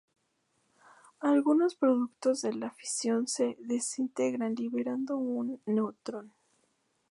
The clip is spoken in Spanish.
Algunos productos de la fisión se desintegran liberando un neutrón.